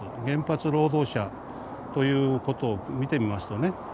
原発労働者ということを見てみますとね